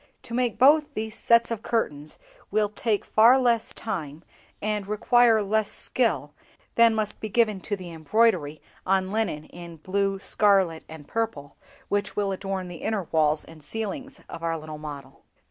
To make both these sets of curtains will take far less time, and require less skill, than must be given to the embroidery on linen in blue, scarlet, and purple, which will adorn the inner walls and ceilings of our little model."